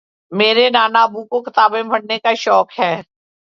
میرے نانا ابو کو کتابیں پڑھنے کا شوق ہے